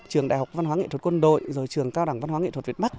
trường đại học văn hóa nghệ thuật quân đội rồi trường cao đẳng văn hóa nghệ thuật việt bắc